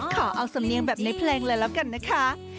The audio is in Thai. ขอเอาสำเนียงแบบในเพลงเลยแล้วกันนะคะ